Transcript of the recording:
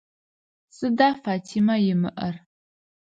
Сыда Фатимэ имыӏэр?